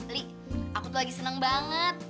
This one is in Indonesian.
li aku tuh lagi seneng banget